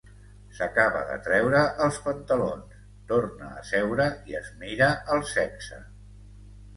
S'acaba de treure els pantalons, torna a seure i es mira el sexe.